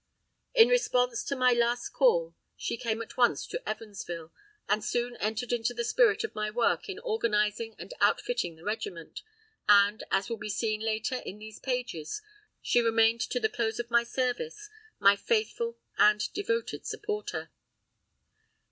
In response to my call she came at once to Evansville, and soon entered into the spirit of my work in organizing and outfitting the regiment, and, as will be seen later in these pages, she remained to the close of my service my faithful and devoted supporter.